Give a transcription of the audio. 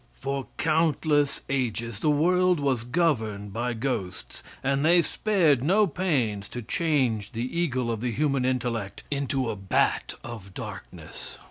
For countless ages the world was governed by ghosts, and they spared no pains to change the eagle of the human intellect into a bat of darkness.